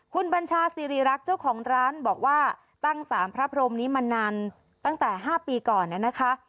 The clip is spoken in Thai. คุณบัญชาสิริรักษ์เจ้าของร้านบอกว่าตั้งสารพระพรมนี้มานานตั้งแต่๕ปีก่อนนะคะ